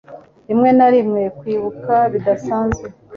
rimwe na rimwe, kwibuka bidasanzwe